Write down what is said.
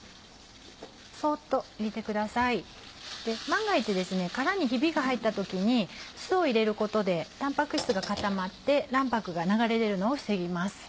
万が一殻にひびが入った時に酢を入れることでたんぱく質が固まって卵白が流れ出るのを防ぎます。